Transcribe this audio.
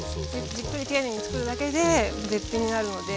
じっくり丁寧につくるだけで絶品になるので。